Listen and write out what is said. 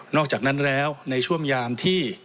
อกจากนั้นแล้วในช่วงยามที่